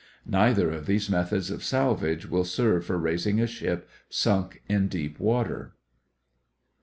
Neither of these methods of salvage will serve for raising a ship sunk in deep water.